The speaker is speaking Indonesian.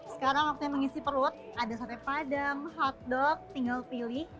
sekarang waktunya mengisi perut ada sate padam hotdog tinggal pilih